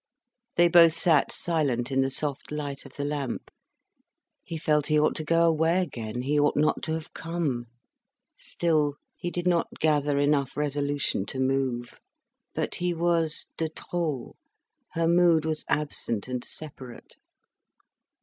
They both sat silent in the soft light of the lamp. He felt he ought to go away again, he ought not to have come. Still he did not gather enough resolution to move. But he was de trop, her mood was absent and separate.